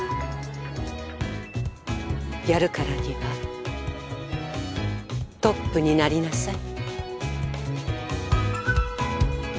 やるからにはトップになりなさい。